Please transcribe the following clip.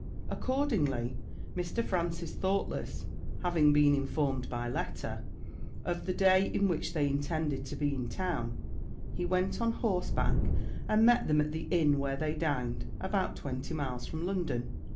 Accordingly, Mr. Francis Thoughtless having been informed by letter of the day in which they intended to be in town, he went on horseback, and met them at the inn where they dined, about twenty miles from London.